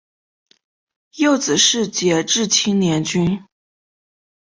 幼子是杰志青年军。